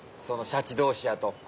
そのシャチどうしやと。